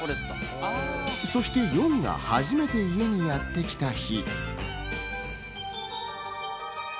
そして、よんが初めて家にやってきた日。